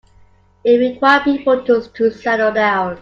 It required people to settle down.